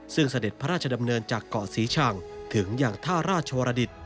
ซึ่งเสด็จพระราชดำเนินจากเกาะศรีชังถึงอย่างท่าราชวรดิต